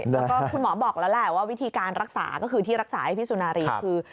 แล้วก็คุณหมอบอกแล้วแหละว่าวิธีการรักษาก็คือที่รักษาให้พี่สุนารีคือ